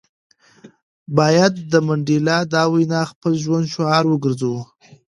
باید د منډېلا دا وینا د خپل ژوند شعار وګرځوو.